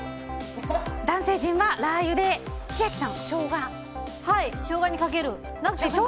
男性陣はラー油で千秋さん、ショウガ。